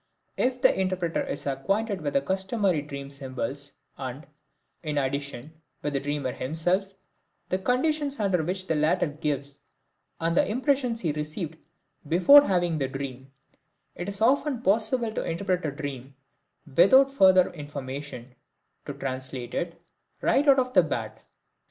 If the interpreter is acquainted with the customary dream symbols and, in addition, with the dreamer himself, the conditions under which the latter lives and the impressions he received before having the dream, it is often possible to interpret a dream without further information to translate it "right off the bat."